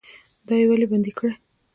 دا یې ولې بندي کړي؟